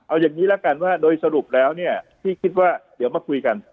เอาอย่างนี้ละกันว่าโดยสรุปแล้วเนี่ยพี่คิดว่าเดี๋ยวมาคุยกัน